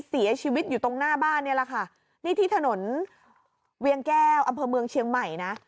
เสียชีวิตอยู่ตรงหน้าบ้านนี่แหละค่ะนี่ที่ถนนเวียงแก้วอำเภอเมืองเชียงใหม่นะ